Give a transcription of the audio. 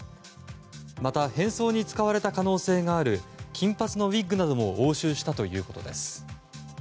また、変装に使われた可能性がある金髪のウィッグなども押収したということです。